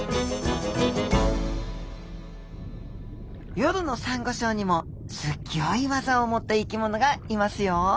夜のサンゴ礁にもすぎょい技を持った生きものがいますよ。